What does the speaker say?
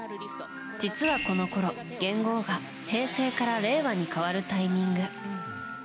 実はこのころ元号が平成から令和に変わるタイミング。